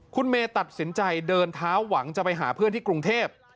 คุณเมย์ตัดสินใจเดินเท้าหวังจะไปหาเพื่อนที่กรุงเทพ